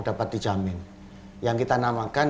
dapat dijamin yang kita namakan